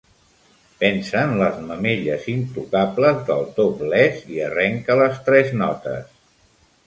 Pensa en les mamelles intocables del topless i arrenca les tres notes.